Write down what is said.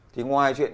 thì ngoài chuyện